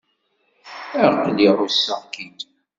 Aql-i ɛusseɣ-k-id.